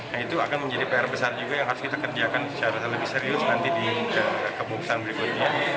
nah itu akan menjadi pr besar juga yang harus kita kerjakan secara lebih serius nanti di keputusan berikutnya